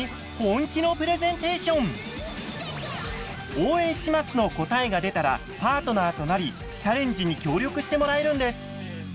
「応援します」の答えが出たらパートナーとなりチャレンジに協力してもらえるんです。